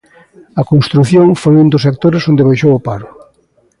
A construción foi un dos sectores onde baixou o paro.